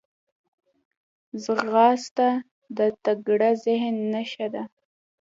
ځغاسته د تکړه ذهن نښه ده